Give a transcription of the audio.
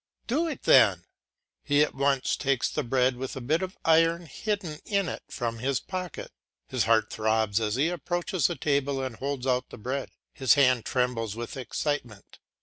"Do it then." He at once takes the bread with a bit of iron hidden in it from his pocket; his heart throbs as he approaches the table and holds out the bread, his hand trembles with excitement.